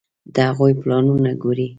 د هغوی پلانونه ګوري.